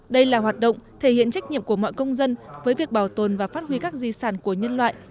đây là hoạt động thể hiện trách nhiệm của mọi công dân với việc bảo tồn và phát huy các di sản của nhân loại